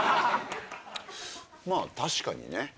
まぁ確かにね。